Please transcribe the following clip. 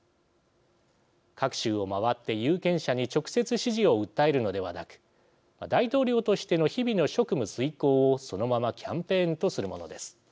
各州を回って有権者に直接支持を訴えるのではなく大統領としての日々の職務遂行をそのままキャンペーンとするものです。